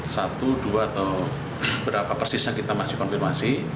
satu dua atau berapa persisnya kita masih konfirmasi